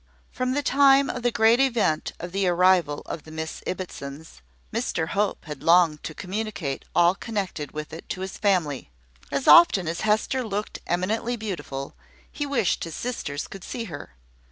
From the time of the great event of the arrival of the Miss Ibbotsons, Mr Hope had longed to communicate all connected with it to his family. As often as Hester looked eminently beautiful, he wished his sisters could see her.